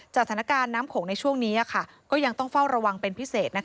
สถานการณ์น้ำโขงในช่วงนี้ก็ยังต้องเฝ้าระวังเป็นพิเศษ